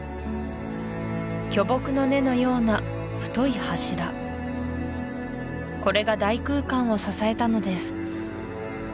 巨木の根のような太い柱これが大空間を支えたのです